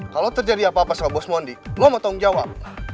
kalau terjadi apa apa sama bos moony lo mau tanggung jawab